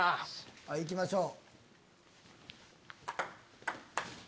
行きましょう。